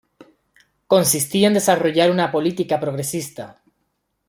Consistía en desarrollar una política progresista.